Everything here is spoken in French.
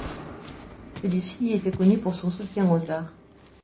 Celui-ci était connu pour son soutien aux arts.